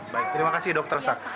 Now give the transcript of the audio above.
baik terima kasih dokter